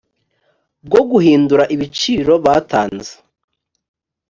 bwo guhindura ibiciro batanze